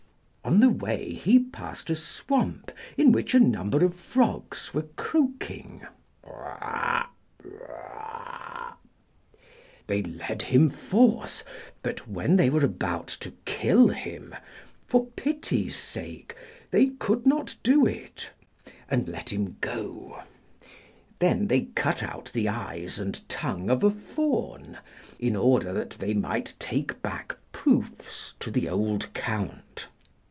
[Illustration: On the way he passed a swamp, in which a number of Frogs were croaking.] They led him forth, but when they were about to kill him, for pity's sake they could not do it, and let him go. Then they cut out the eyes and tongue of a Fawn, in order that they might take back proofs to the old Count.